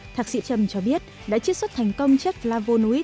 thạc sĩ trâm cho biết đã chiết xuất thành công chất flavonoid